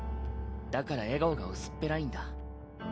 だから笑顔が薄っぺらいんだ。